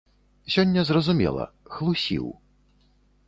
Сёння зразумела — хлусіў.